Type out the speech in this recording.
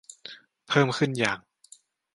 เพิ่มขึ้นอย่าง